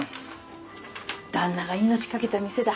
旦那が命懸けた店だ。